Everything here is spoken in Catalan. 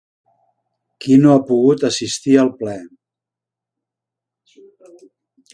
Qui no ha pogut assistir al ple?